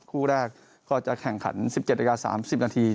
คู่แรกก็จะแข่งขัน๑๗นาที๓๐นาที